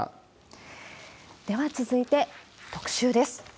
では続いて、特集です。